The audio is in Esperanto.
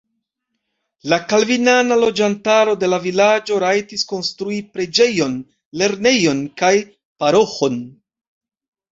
La kalvinana loĝantaro de la vilaĝo rajtis konstrui preĝejon, lernejon kaj paroĥon.